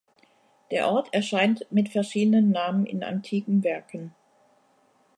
Der Ort erscheint mit verschiedenen Namen in antiken Werken.